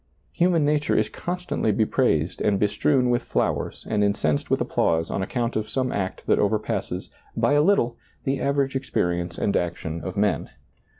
Human nature is constantly be praised and bestrewn with flowers and incensed with applause on account of some act that over passes, by a little, the average experience and action of men.